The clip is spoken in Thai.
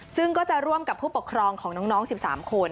ซึ่งก็จะร่วมกับผู้ปกครองของน้อง๑๓คน